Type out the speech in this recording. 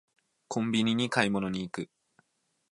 コンビニに買い物に行く